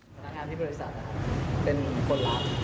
หนังงานที่บริษัทอะครับเป็นคนรัก